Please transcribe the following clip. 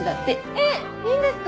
えっいいんですか？